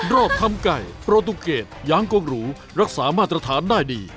รอบทำไก่โปรตูเกรดยางกงหรูรักษามาตรฐานได้ดี